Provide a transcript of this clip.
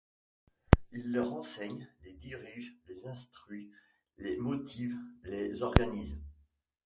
Il leur enseigne, les dirige, les instruit, les motive, les organise.